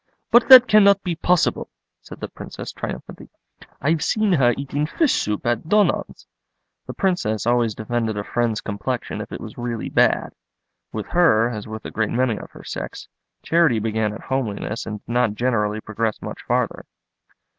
"But that cannot be possible," said the Princess triumphantly; "I've seen her eating fish soup at Donon's." The Princess always defended a friend's complexion if it was really bad. With her, as with a great many of her sex, charity began at homeliness and did not generally progress much farther.